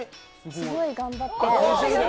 すごい頑張って。